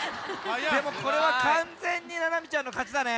でもこれはかんぜんにななみちゃんのかちだね。